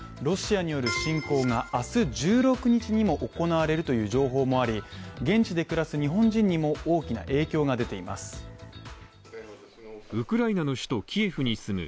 ロシアによる侵攻が明日１６日にも行われるという情報もあり、現地で暮らす日本人にも大きな影響が出ています。